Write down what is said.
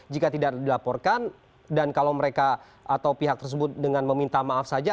jika tidak dilaporkan dan kalau mereka atau pihak tersebut dengan meminta maaf saja